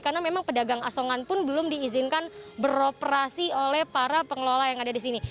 karena memang pedagang asongan pun belum diizinkan beroperasi oleh para pengelola yang ada di sini